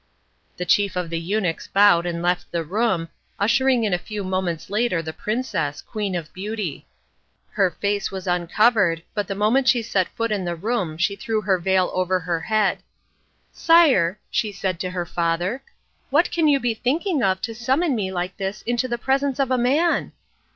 The chief of the eunuchs bowed and left the room, ushering in a few moments later the princess, Queen of Beauty. Her face was uncovered, but the moment she set foot in the room she threw her veil over her head. "Sire," she said to her father, "what can you be thinking of to summon me like this into the presence of a man?"